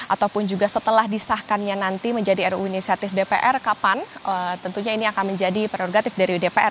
ataupun juga setelah disahkannya nanti menjadi ru inisiatif dpr kapan tentunya ini akan menjadi prerogatif dari dpr